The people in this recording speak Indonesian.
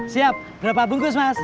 siap berapa bungkus mas